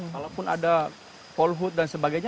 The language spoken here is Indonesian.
walaupun ada polhut dan sebagainya